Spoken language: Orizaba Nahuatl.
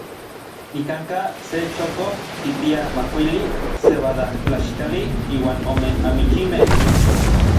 Nikankaj se chokoj kipia makuili sebadajtlaxkali iuan ome amichimej.